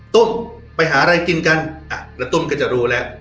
ตุ้มไปหาอะไรกินกันอ่ะแล้วตุ้มก็จะรู้แล้ว